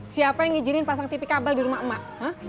siapa yang ngijirin pasang tv kabel di rumah emak